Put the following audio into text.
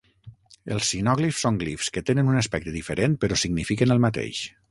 Els sinòglifs són glifs que tenen un aspecte diferent però signifiquen el mateix.